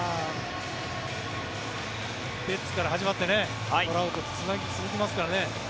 ベッツから始まってトラウトと続きますからね